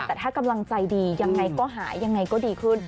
แต่ถ้ากำลังใจดียังไงก็หายยังไงก็ดีขึ้น